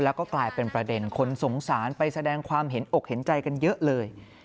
แล้วก็กลายเป็นประเด็นคนสงสารไปแสดงความเห็นอกเห็นใจกันเยอะเลย